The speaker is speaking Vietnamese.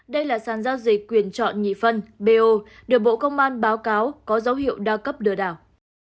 đây là sàn giao dịch quyền chọn nhị phân bo được bộ công an báo cáo có dấu hiệu đa cấp lừa đảo